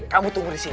kamu tunggu disini ya